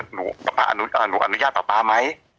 หนูอนุญาตป๊าป๊าไหม